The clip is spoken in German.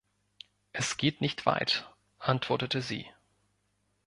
„Es geht nicht weit“, antwortete sie.